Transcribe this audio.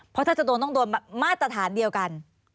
เพราะถ้าจะโดนต้องโดนมาตรฐานเดียวกัน